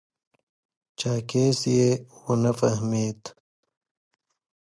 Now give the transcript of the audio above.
چاکېس یې و نه فهمېد.